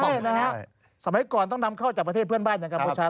นี่นะฮะสมัยก่อนต้องนำเข้าจากประเทศเพื่อนบ้านอย่างกัมพูชา